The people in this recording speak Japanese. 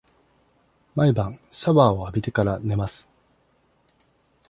毎晩シャワーを浴びてから、寝ます。